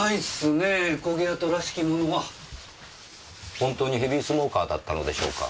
本当にヘビースモーカーだったのでしょうか？